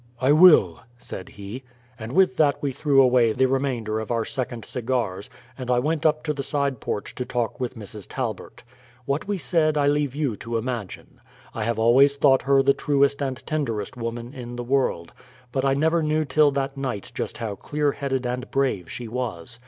"I will," said he. And with that we threw away the remainder of our second cigars, and I went up to the side porch to talk with Mrs. Talbert. What we said I leave you to imagine. I have always thought her the truest and tenderest woman in the world, but I never knew till that night just how clear headed and brave she was.